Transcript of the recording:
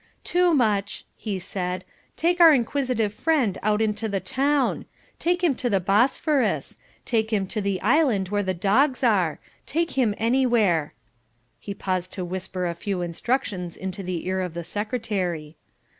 "Toomuch," he said, "take our inquisitive friend out into the town; take him to the Bosphorous; take him to the island where the dogs are; take him anywhere." He paused to whisper a few instructions into the ear of the Secretary.